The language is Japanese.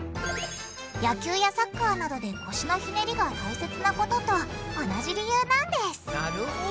野球やサッカーなどで腰のひねりが大切なことと同じ理由なんですなるほど。